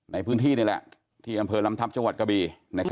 ในพื้นที่นี่แหละที่กำเภยลำทับจังหวัดกะบี